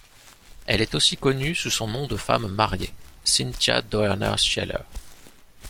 Elle est aussi connue sous son nom de femme mariée, Cynthia Doerner-Sieler.